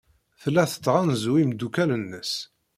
Tella tettɣanzu imeddukal-nnes.